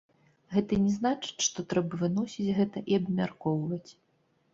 Гэта не значыць, што трэба выносіць гэта і абмяркоўваць.